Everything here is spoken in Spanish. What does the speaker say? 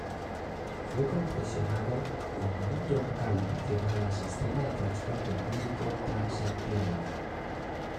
Fue concesionado como un troncal adicional al sistema de transporte público Transantiago.